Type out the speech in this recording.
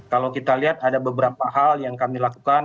kalau kita lihat ada beberapa hal yang kami lakukan